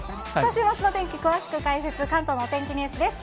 週末の天気、詳しく解説、関東のお天気ニュースです。